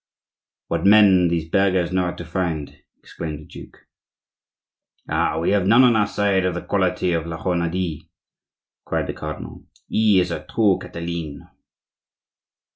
"What men these burghers know how to find!" exclaimed the duke. "Ah! we have none on our side of the quality of La Renaudie!" cried the cardinal. "He is a true Catiline."